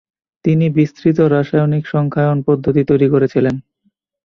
তিনি বিস্তৃত রাসায়নিক সংখ্যায়ন পদ্ধতি তৈরি করেছিলেন।